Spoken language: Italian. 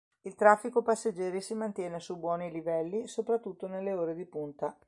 Il traffico passeggeri si mantiene su buoni livelli, soprattutto nelle ore di punta.